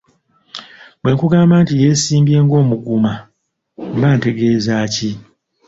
Bwe nkugamba nti yeesimbye ng’omuguma mba ntegeeza ki ?